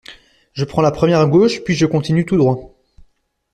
Je prends la première à gauche, puis je continue tout droit.